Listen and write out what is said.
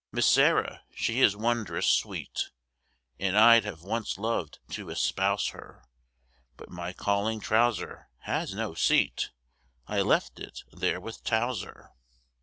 Miss Sarah, she is wondrous sweet, And I'd have once loved to espouse her, But my calling trouser has no seat, I left it there with Towser.